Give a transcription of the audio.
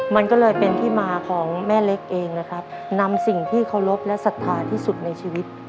มันก็เลยเป็นที่มาของแม่เล็กเองนะครับนำสิ่งที่เคารพและศรัทธาที่สุดในชีวิต